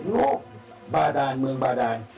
ของบาดานเมืองบาดาน